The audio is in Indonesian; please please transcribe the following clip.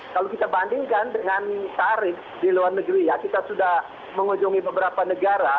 kalau kita bandingkan dengan tarif di luar negeri ya kita sudah mengunjungi beberapa negara